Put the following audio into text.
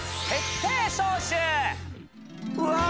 うわ！